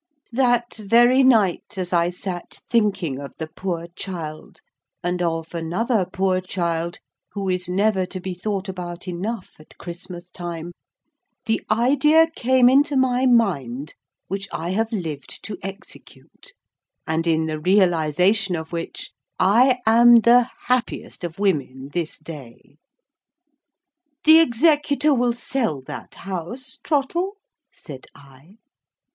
That very night, as I sat thinking of the poor child, and of another poor child who is never to be thought about enough at Christmas time, the idea came into my mind which I have lived to execute, and in the realisation of which I am the happiest of women this day. "The executor will sell that House, Trottle?" said I.